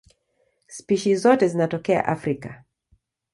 Spishi zote zinatokea Afrika.